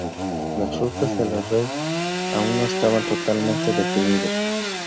Las rutas de la red aún no estaban totalmente definidos.